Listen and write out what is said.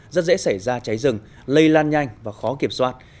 rất dễ xảy ra cháy rừng lây lan nhanh và khó kiểm soát